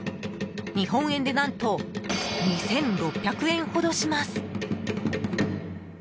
日本円で何と２６００円ほどします。